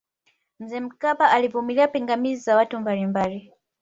mzee mkapa alivumilia pingamizi za watu mbalimbali